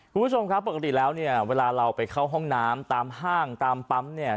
คุณผู้ชมครับปกติแล้วเนี่ยเวลาเราไปเข้าห้องน้ำตามห้างตามปั๊มเนี่ย